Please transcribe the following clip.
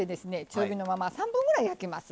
中火のまま３分ぐらい焼きます。